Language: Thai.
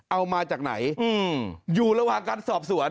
เอามาจากไหนอยู่ระหว่างการสอบสวน